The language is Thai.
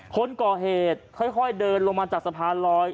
คนก่อเหตุค่อยเดินลงมาจากสะพานลอย